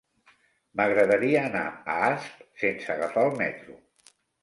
M'agradaria anar a Asp sense agafar el metro.